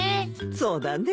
そうだね。